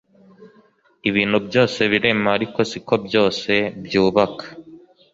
Ibintu byose biremewe ariko siko byose byubaka